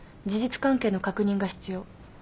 事実関係の確認が必要。